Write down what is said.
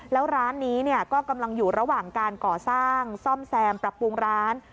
แล้วร้านนี้ก็กำลังอยู่ระหว่างการก่อสร้างซ่อมแซมปรับปรุงร้าน